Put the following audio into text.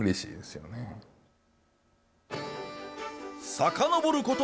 さかのぼること